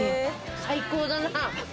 最高だな！